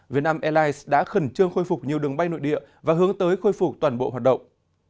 việt nam airlines đã khẩn trương khôi phục nhiều đường bay nội địa và hướng tới khôi phục toàn bộ hoạt động